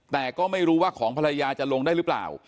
แต่ก็ไม่รู้ว่าของภรรยาจะลงได้หรือเปล่า